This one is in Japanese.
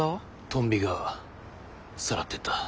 トンビがさらってった。